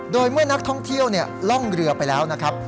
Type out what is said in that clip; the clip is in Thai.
โดยเมื่อนักท่องเที่ยวล่องเรือไปแล้วนะครับ